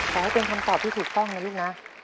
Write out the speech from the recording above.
ขอให้เป็นคำตอบที่ถูกต้องนะลูกนะ